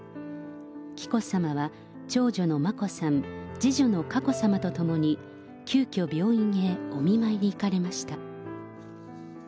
紀子さまは、長女の眞子さん、次女の佳子さまと共に、急きょ、病院へお見舞いに行かれました。